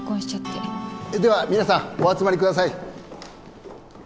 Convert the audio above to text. では皆さんお集まりください。